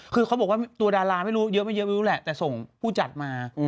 ทุกคนบอกตัวดาราไม่รู้แต่ส่งผู้จัดมา